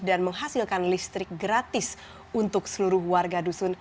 dan menghasilkan listrik gratis untuk seluruh warga dusun